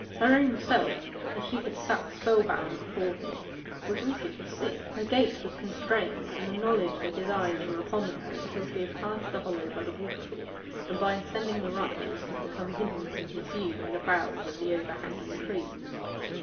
Her own self, as she had sat spell bound before him, was all she could see. Her gait was constrained, from the knowledge that his eyes were upon her until she had passed the hollow by the waterfall, and by ascending the rise had become hidden from his view by the boughs of the overhanging trees.